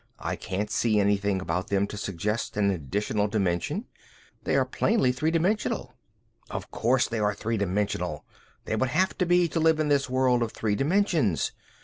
I can't see anything about them to suggest an additional dimension. They are plainly three dimensional." "Of course they are three dimensional. They would have to be to live in this world of three dimensions.